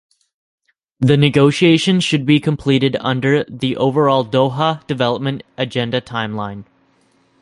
The negotiations should be completed under the overall Doha Development Agenda timeline.